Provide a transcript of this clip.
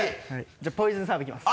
じゃあポイズンサーブいきます。